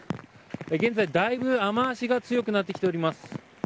現在、だいぶ雨脚が強くなってきております。